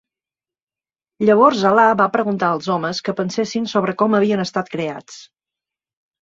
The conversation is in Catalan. Llavors Alá va preguntar als homes que pensessin sobre com havien estat creats.